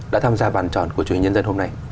đã tham gia bàn tròn của truyền hình nhân dân hôm nay